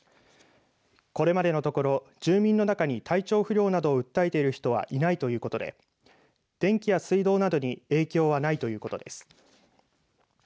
これまでのところ住民の中に体調不良などを訴えている人はいないということで電気や水道などに影響はないということです。